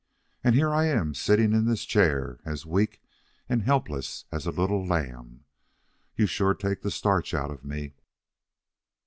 And here I am sitting in this chair, as weak and helpless as a little lamb. You sure take the starch out of me."